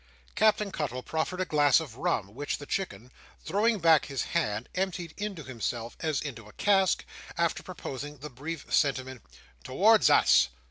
Captain Cuttle proffered a glass of rum, which the Chicken, throwing back his head, emptied into himself, as into a cask, after proposing the brief sentiment, "Towards us!"